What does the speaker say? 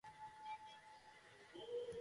ბარეტი განასახიერებს სიმღერის შესრულებას.